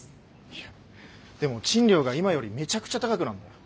いやでも賃料が今よりめちゃくちゃ高くなるんだよ。